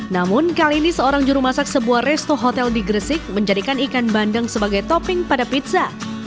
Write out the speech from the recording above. namun kali ini seorang juru masak sebuah resto hotel di gresik menjadikan ikan bandeng sebagai topping pada pizza